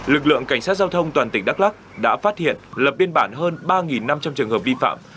lực lượng cảnh sát giao thông toàn tỉnh đắk lắc đã phát hiện lập biên bản hơn ba năm trăm linh trường hợp vi phạm